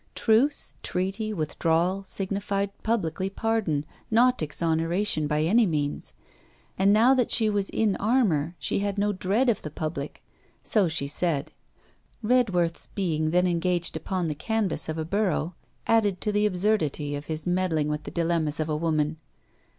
Truce, treaty, withdrawal, signified publicly pardon, not exoneration by any means; and now that she was in armour she had no dread of the public. So she said. Redworth's being then engaged upon the canvass of a borough, added to the absurdity of his meddling with the dilemmas of a woman.